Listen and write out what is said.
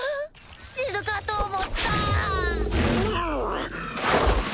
死ぬかと思った！